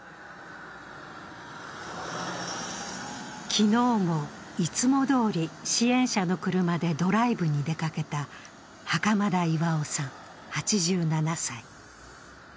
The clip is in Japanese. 昨日もいつもどおり支援者の車でドライブに出かけた袴田巌さん８７歳。